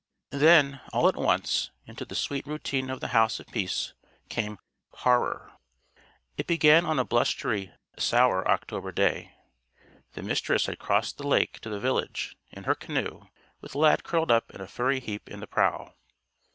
Then, all at once, into the sweet routine of the House of Peace, came Horror. It began on a blustery, sour October day. The Mistress had crossed the lake to the village, in her canoe, with Lad curled up in a furry heap in the prow.